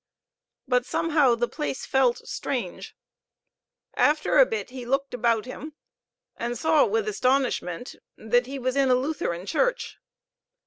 But somehow the place felt strange. After a bit he looked about him, and saw with astonishment that he was in a Lutheran church.